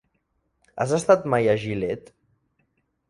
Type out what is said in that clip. Has estat mai a Gilet?